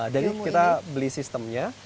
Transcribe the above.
jadi kita beli sistemnya